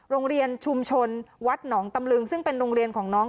โรงเรียนชุมชนวัดหนองตำลึงซึ่งเป็นโรงเรียนของน้อง